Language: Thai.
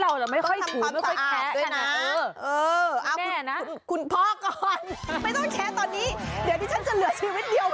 กลิ่นดือเป็นเหตุสังเกตได้